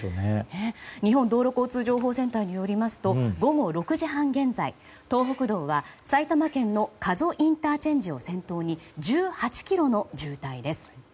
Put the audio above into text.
日本道路交通情報センターによりますと午後６時半現在東北道は埼玉県の加須ＩＣを先頭に１８ｋｍの渋滞です。